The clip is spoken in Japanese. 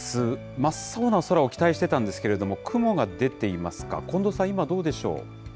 真っ青な空を期待してたんですけど、雲が出ていますか、近藤さん、今どうでしょう。